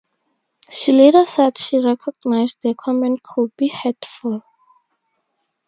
She later said she recognized the comment could be hurtful.